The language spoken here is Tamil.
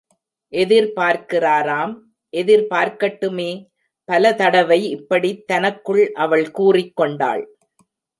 எதிர்பார்க்கிறாராம் எதிர் பார்க்கட்டுமே! பல தடவை இப்படித் தனக்குள் அவள் கூறிக் கொண்டாள்.